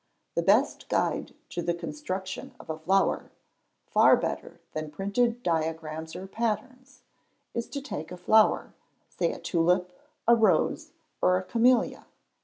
The best guide to the construction of a flower far better than printed diagrams or patterns is to take a flower, say a tulip, a rose, or a camellia.